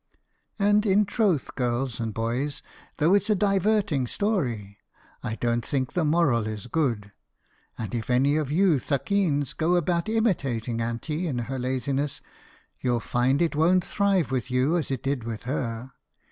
"And in troth, girls and boys, though it's a diverting story, I don't think the moral is good; and if any of you thuckeens go about imitating Anty in her laziness, you'll find it won't thrive with you as it did with her.